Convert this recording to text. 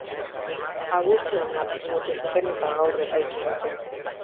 Abuztuan atxilotu zuten eta gaur epaitu dute.